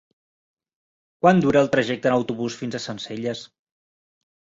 Quant dura el trajecte en autobús fins a Sencelles?